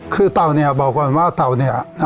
คือเต่าเนี่ยบอกก่อนว่าเต่าเนี่ย